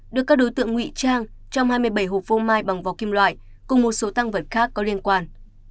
được các đối tượng ngụy trang trong hai mươi bảy hộp phô mai bằng vỏ kim loại cùng một số tăng vật khác có liên quan